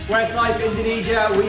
westlife indonesia kita sayang kalian